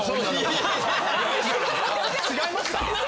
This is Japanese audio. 違いました？